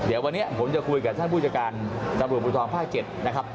เดี๋ยววันนี้ผมจะคุยกับท่านผู้จัดการตำรวจภูทรภาค๗นะครับ